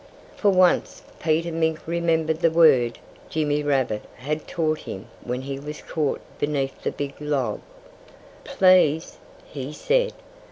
For once Peter Mink remembered the word Jimmy Rabbit had taught him when he was caught beneath the big log. "Please!" he said.